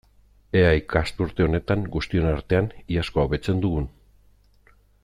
Ea ikasturte honetan, guztion artean, iazkoa hobetzen dugun!